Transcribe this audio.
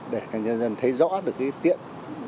để nhân dân thấy rõ được cái tiện